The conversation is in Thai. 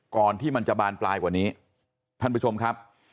ที่มันจะบานปลายกว่านี้ท่านผู้ชมครับ